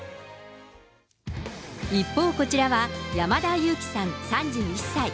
一方、こちらは山田裕貴さん３１歳。